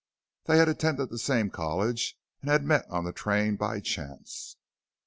They had attended the same college and had met on the train by chance.